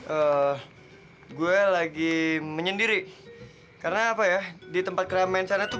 eh gue lagi menyendiri karena apa ya di tempat keren main sana tuh banyak godaan